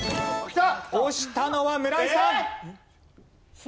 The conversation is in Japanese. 押したのは村井さん。